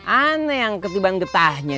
aneh yang ketiban getahnya